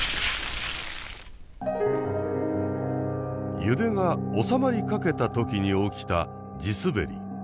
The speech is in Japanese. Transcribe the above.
揺れが収まりかけた時に起きた地滑り。